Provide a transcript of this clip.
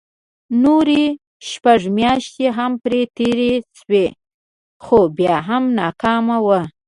نورې شپږ مياشتې هم پرې تېرې شوې خو بيا هم ناکام وو.